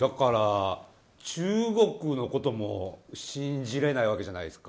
中国のことも信じられないわけじゃないですか。